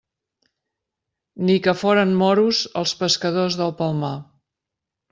Ni que foren moros els pescadors del Palmar!